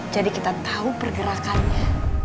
jadi kita tau pergerakannya